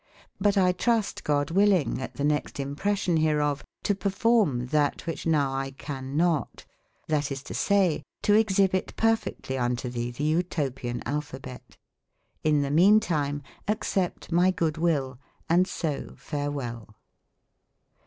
But t trust, God willing, at tbe next impression bereof to perfourme tbat wbicbe nowe X can not : tbat is to say e : to exbibite perfectly untotbee tbe Utopian Hlpbabete. In tbemeane time accept my good wy I. Hnd so fare well.